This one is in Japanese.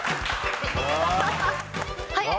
⁉はい。